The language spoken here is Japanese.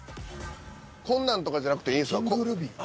こんなんとかじゃなくていいんですか？